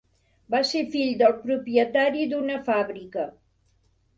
Va ser fill del propietari d'una fàbrica.